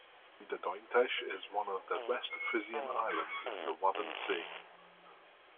Zuiderduintjes is one of the West Frisian Islands in the Wadden Sea.